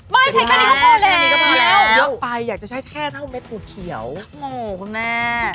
ไม่ใช้แค่นี้ก็พอแล้วอยากจะใช้แค่เท่าเม็ดกูเขียวโอ้คุณแม่